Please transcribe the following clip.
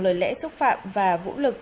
lời lẽ xúc phạm và vũ lực